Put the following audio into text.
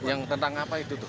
yang tentang apa itu